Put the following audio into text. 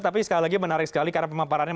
tapi sekali lagi menarik sekali karena pemamparannya